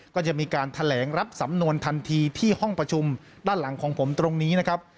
ก็จะมีการแถลงรับสำนวนทันทีที่ห้องประชุมด้านหลังของผมตรงนี้นะครับ